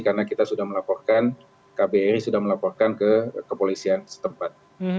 karena kita sudah melaporkan kbri sudah melaporkan ke kepolisian setempat